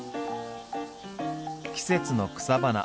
季節の草花。